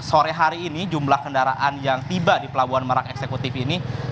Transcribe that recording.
sore hari ini jumlah kendaraan yang tiba di pelabuhan merak eksekutif ini